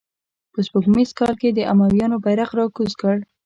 په سپوږمیز کال یې د امویانو بیرغ را کوز کړ.